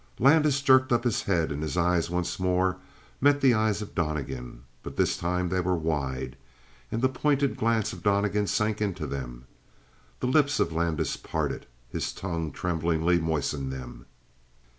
Landis jerked up his head and his eyes once more met the eyes of Donnegan, but this time they were wide, and the pointed glance of Donnegan sank into them. The lips of Landis parted. His tongue tremblingly moistened them.